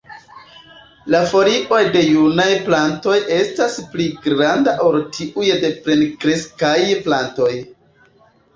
La folioj de junaj plantoj estas pli granda ol tiuj de plenkreskaj plantoj.